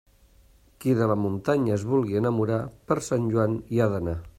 Qui de la muntanya es vulgui enamorar, per Sant Joan hi ha d'anar.